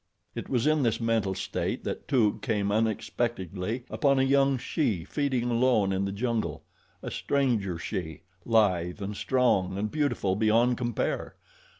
It was in this mental state that Toog came unexpectedly upon a young she feeding alone in the jungle a stranger she, lithe and strong and beautiful beyond compare.